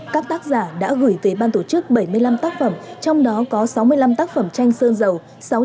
các tác giả đã gửi về ban tổ chức bảy mươi năm tác phẩm trong đó có sáu mươi năm tác phẩm tranh sơn dầu